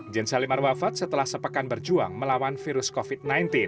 jane salimar wafat setelah sepekan berjuang melawan virus covid sembilan belas